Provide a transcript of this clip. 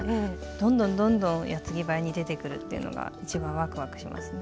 どんどんどんどん矢継ぎ早に出てくるっていうのが一番ワクワクしますね。